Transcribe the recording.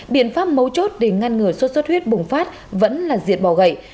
biện pháp mấu chốt để ngăn ngừa sốt xuất huyết bùng phát vẫn là diệt bỏ gậy